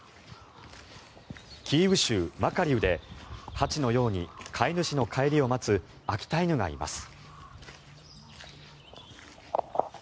キーウ州マカリウでハチのように飼い主の帰りを待つ秋田犬がいます。